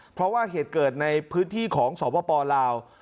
เพราะว่าเหตุเกิดในพื้นที่ของสปลาว